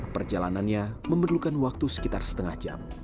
perjalanannya memerlukan waktu sekitar setengah jam